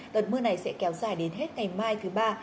đợt mưa này sẽ kéo dài đến hết ngày mai thứ ba